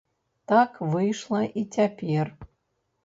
Так выйшла і цяпер.